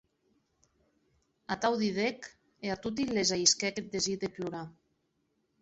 Atau didec, e a toti les ahisquèc eth desir de plorar.